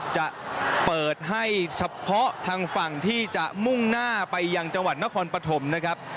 จะเปิดให้เฉพาะทางฝั่งที่จะมุ่งหน้าไปยังจังหวัดนครปฐมนะครับ